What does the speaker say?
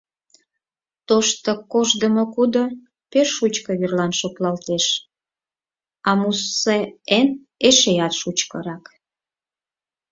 Тошто коштымо-кудо пеш шучко верлан шотлалтын, а Муссе Энн эшеат шучкырак.